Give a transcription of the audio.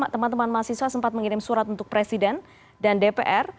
teman teman mahasiswa sempat mengirim surat untuk presiden dan dpr